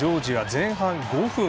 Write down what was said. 前半５分